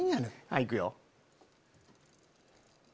はい行くよ。